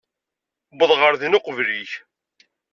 Uwḍeɣ ɣer din uqbel-ik.